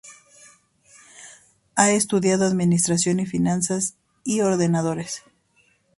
Ha estudiado Administración y Finanza, y Ordenadores.